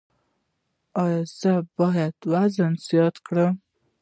ایا زه باید وزن زیات کړم؟